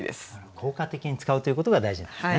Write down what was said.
効果的に使うということが大事なんですね。